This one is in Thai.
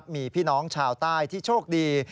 มีพี่น้องชาวใต้ที่โชคดี